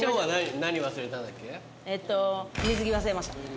水着忘れました。